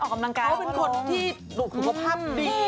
เค้าเป็นคนที่ถูกภาพดี